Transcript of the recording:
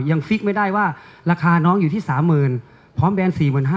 ยังฟริกไม่ได้ว่าราคาน้องอยู่ที่๓หมื่นพร้อมแบรนด์๔๕